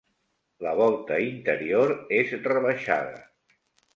La volta interior és rebaixada.